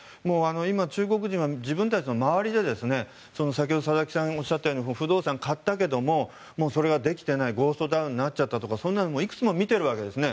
今、中国人は自分たちの周りで佐々木さんがおっしゃったように不動産を買ったけどもそれができていないコーストタウンになっちゃったとかそんなのをいくつも見ているわけですね。